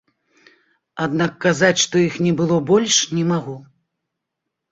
Аднак казаць, што іх не было больш, не магу.